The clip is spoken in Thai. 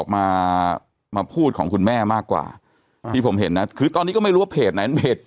มามาพูดของคุณแม่มากกว่าที่ผมเห็นนะคือตอนนี้ก็ไม่รู้ว่าเพจไหนเพจ